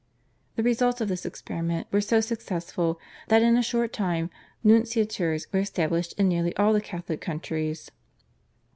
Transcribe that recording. The results of this experiment were so successful that in a short time nunciatures were established in nearly all the Catholic countries.